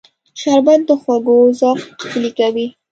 شربت د خوږو ذوق غښتلی کوي